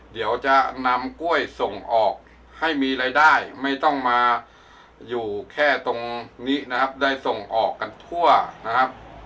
เดี๋ยวจะนำกล้วยส่งออกให้มีรายได้ไม่ต้องมาอยู่แค่ตรงนี้นะครับได้ส่งออกกันทั่วนะครับ